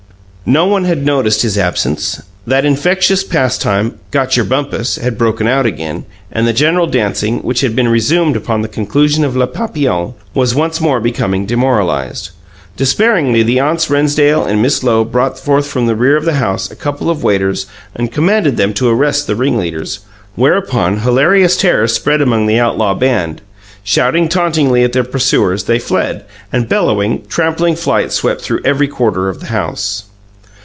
No one had noticed his absence. That infectious pastime, "Gotcher bumpus", had broken out again, and the general dancing, which had been resumed upon the conclusion of "Les Papillons", was once more becoming demoralized. Despairingly the aunts Rennsdale and Miss Lowe brought forth from the rear of the house a couple of waiters and commanded them to arrest the ringleaders, whereupon hilarious terror spread among the outlaw band. Shouting tauntingly at their pursuers, they fled and bellowing, trampling flight swept through every quarter of the house.